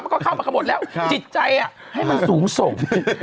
มันก็เข้ามาขบดแล้วจิตใจให้มันสูงส่ง